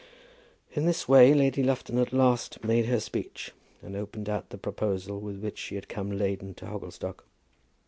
In this way Lady Lufton at last made her speech and opened out the proposal with which she had come laden to Hogglestock.